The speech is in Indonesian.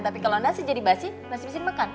tapi kalau nasi jadi basi masih bisa dimakan